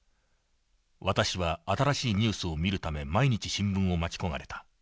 私は新しいニュースを見るため毎日新聞を待ち焦がれた。